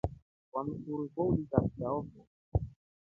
Kwa msuri kwaulika chao fo.